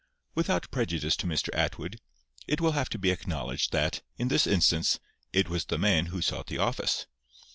Without prejudice to Mr. Atwood, it will have to be acknowledged that, in this instance, it was the man who sought the office.